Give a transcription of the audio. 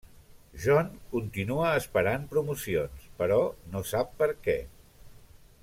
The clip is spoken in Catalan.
John continua esperant promocions, però no sap per què.